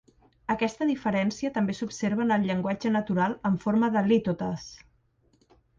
Aquesta diferència també s'observa en el llenguatge natural en forma de lítotes.